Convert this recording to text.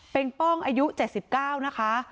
เป็นป้องอายุ๗๙นะคะ